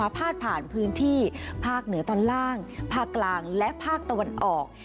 ภาคเหนือตอนล่างภาคกลางและภาคตะวันออก